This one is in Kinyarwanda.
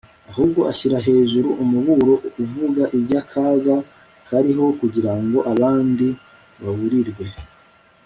ahubwo ashyira hejuru umuburo uvuga iby'akaga kariho kugira ngo abandi baburirwe